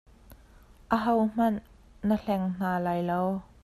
Ahohmanh na hleng hna lai lo.